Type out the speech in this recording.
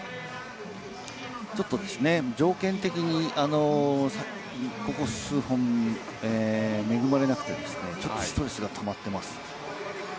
ちょっと条件的にここ数本、恵まれなくて、ちょっとストレスが溜まっています。